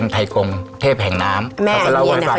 ต้องเอามาไหว้ท่านก่อน